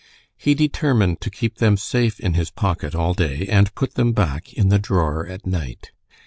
He determined to keep them safe in his pocket all day and put them back in the drawer at night.